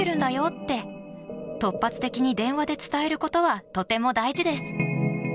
って、突発的に電話で伝えることはとても大事です。